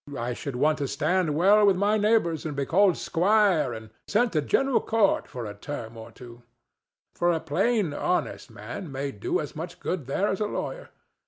I should want to stand well with my neighbors and be called squire and sent to General Court for a term or two; for a plain, honest man may do as much good there as a lawyer.